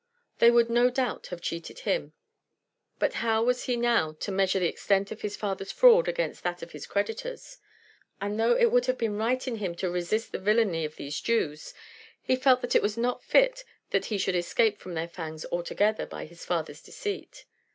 They would no doubt have cheated him. But how was he now to measure the extent of his father's fraud against that of his creditors? And though it would have been right in him to resist the villany of these Jews, he felt that it was not fit that he should escape from their fangs altogether by his father's deceit.